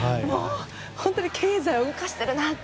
本当に経済を動かしているなと。